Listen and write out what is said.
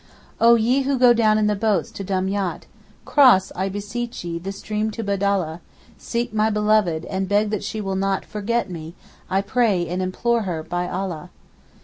O ye who go down in the boats to Dumyat, Cross, I beseech ye, the stream to Budallah; Seek my beloved, and beg that she will not Forget me, I pray and implore her by Allah.